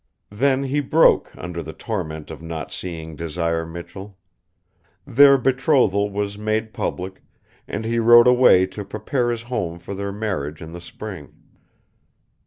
Then he broke under the torment of not seeing Desire Michell. Their betrothal was made public, and he rode away to prepare his home for their marriage in the spring.